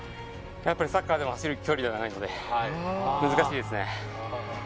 サッカーで走る距離じゃないので難しいですね。